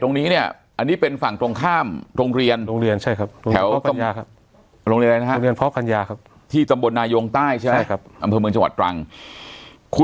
ตรงนี้เนี้ยอันนี้เป็นฝั่งตรงข้ามโรงเรียนโรงเรียนใช่ครับ